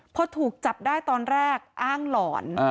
พอถูกจับได้ตอนแรกอ้างหลอน